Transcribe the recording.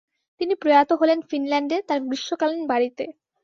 তিনি প্রয়াত হলেন ফিনল্যান্ডে, তার গ্রীষ্মকালীন বাড়িতে।